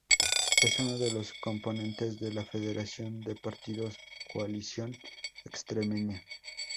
Es uno de los componentes de la federación de partidos Coalición Extremeña.